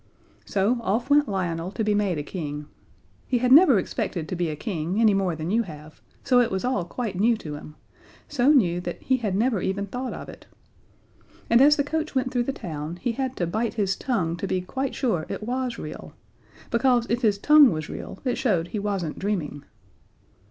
So off went Lionel to be made a King. He had never expected to be a King any more than you have, so it was all quite new to him so new that he had never even thought of it. And as the coach went through the town he had to bite his tongue to be quite sure it was real, because if his tongue was real it showed he wasn't dreaming.